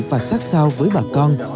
và sát sao với bà con